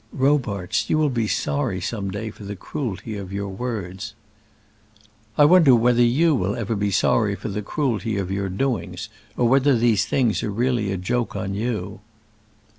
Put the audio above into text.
"Robarts, you will be sorry some day for the cruelty of your words." "I wonder whether you will ever be sorry for the cruelty of your doings, or whether these things are really a joke to you."